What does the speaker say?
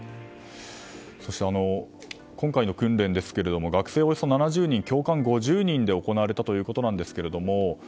今回の訓練、学生７０人教官５０人で行われたということですが